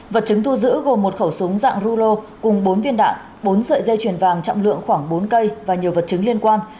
vật chứng thu giữ gồm một khẩu súng dạng rulo cùng bốn viên đạn bốn sợi dây chuyền vàng trọng lượng khoảng bốn cây và nhiều vật chứng liên quan